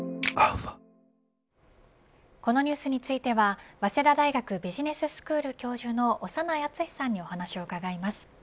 このニュースについては早稲田大学ビジネススクール教授の長内厚さんにお話を伺います。